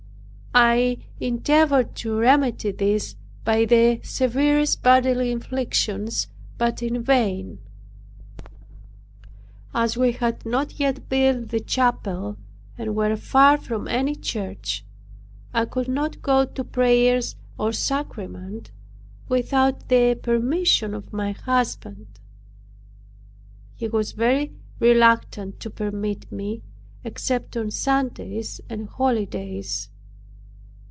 I endeavored to remedy this by the severest bodily inflictions, but in vain. As we had not yet built the chapel, and were far from any church, I could not go to prayers or sacrament without the permission of my husband. He was very reluctant to permit me, except on Sundays and holidays.